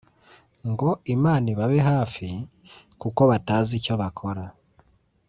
ngo Imana ibabe hafi kuko batazi icyo bakora